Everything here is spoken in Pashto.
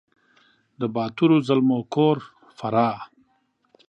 د باتور زلمو کور فراه